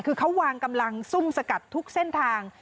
คือเขาวางกำลังซุ่มสกัดทุกเส้นทาง